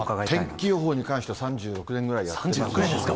天気予報に関しては、３６年ぐらいやってます。